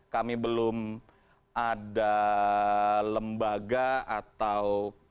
kami belum ada lembaga atau